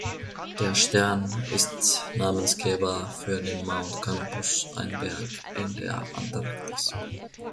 Der Stern ist Namensgeber für den Mount Canopus, ein Berg in der Antarktis.